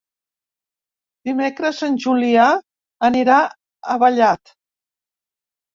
Dimecres en Julià anirà a Vallat.